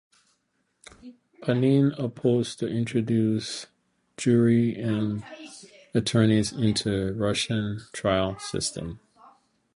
Panin opposed to introduce jury and attorneys into the Russian trial system.